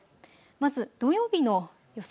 まず土曜日の予想